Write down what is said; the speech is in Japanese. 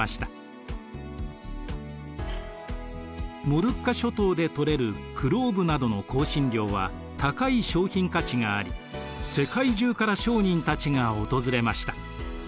モルッカ諸島で採れるクローブなどの香辛料は高い商品価値があり世界中から商人たちがおとずれました。